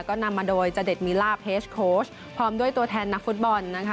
ก็นำมาโดยจเด็ดมีล่าเฮสโค้ชพร้อมด้วยตัวแทนนักฟุตบอลนะคะ